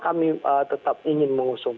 kami tetap ingin mengusung